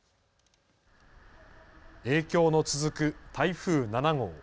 影響の続く台風７号。